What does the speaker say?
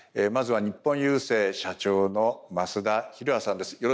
まずは日本郵政社長の増田也さんです。